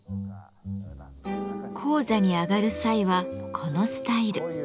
高座に上がる際はこのスタイル。